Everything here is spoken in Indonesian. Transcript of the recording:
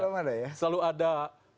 presiden belum ada ya